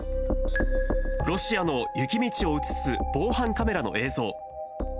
ロシアの雪道を写す防犯カメラの映像。